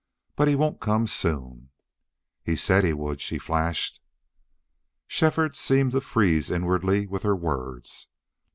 "But he won't come soon." "He said he would," she flashed. Shefford seemed to freeze inwardly with her words.